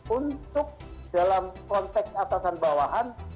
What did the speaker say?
untuk dalam konteks atasan bawahan